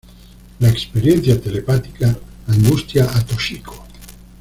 La experiencia telepática angustia a Toshiko.